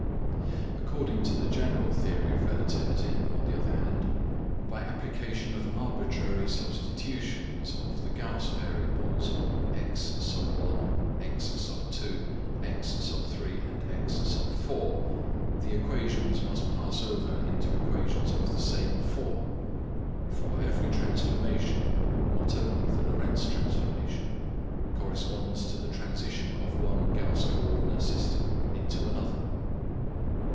According to the general theory of relativity, on the other hand, by application of arbitrary substitutions of the Gauss variables x, x, x, x, the equations must pass over into equations of the same form; for every transformation (not only the Lorentz transformation) corresponds to the transition of one Gauss co ordinate system into another.